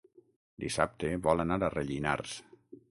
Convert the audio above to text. Dissabte vol anar a Rellinars.